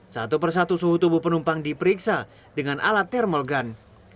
satu persatu suhu tubuh penumpang diperiksa dengan alat thermol gun